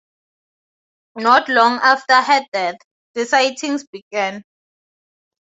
Not long after her death, the sightings began.